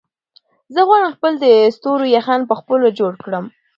زه غواړم چې خپل د ستورو یخن په خپله جوړ کړم.